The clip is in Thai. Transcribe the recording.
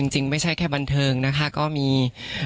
จริงไม่ใช่แค่บันเทิงนะคะก็มี